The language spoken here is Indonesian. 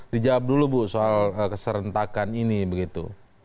dijawab dulu bu soal keserentakan ini begitu